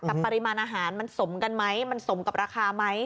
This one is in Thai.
แต่ปริมาณอาหารมันสมกันไหมมันสมกับราคาไหม